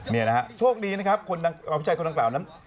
นี่นะฮะโชคดีนะครับผู้ชายคนต่างนั้น